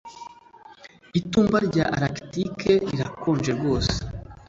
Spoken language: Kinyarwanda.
itumba rya arctique rirakonje rwose